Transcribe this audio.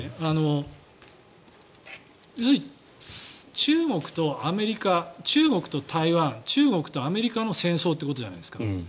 要するに中国とアメリカ中国と台湾中国とアメリカの戦争ということじゃないですか。